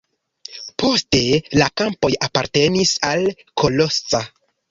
Poste la kampoj apartenis al Kalocsa.